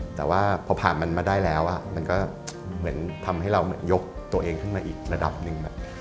แต่ว่าพอผ่านมันมาได้แล้วมันก็เหมือนทำให้เรายกตัวเองขึ้นมาอีกระดับหนึ่ง